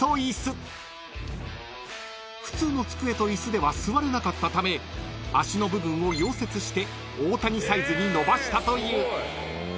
［普通の机と椅子では座れなかったため脚の部分を溶接して大谷サイズに伸ばしたという］